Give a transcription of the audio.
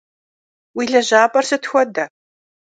Уи лэжьапӏэр сыт хуэдэ?